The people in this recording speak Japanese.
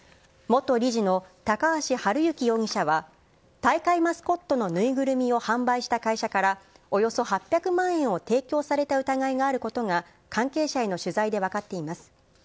元理事の高橋治之容疑者は、大会マスコットの縫いぐるみを販売した会社から、およそ８００万円を提供された疑いがあることが関係者への取材で分かっています。